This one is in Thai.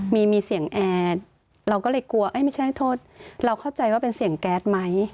มีมีเสียงแอร์เราก็เลยกลัวไม่ใช่โทษเราเข้าใจว่าเป็นเสียงแก๊สไหม